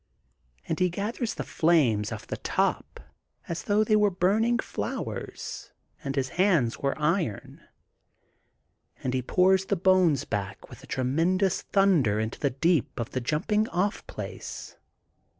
'* And he gathers the flames off the top as though they were burning flowers and his hands were iron. And he pours the bones back with a great thunder into the deep of the Jumping off Place.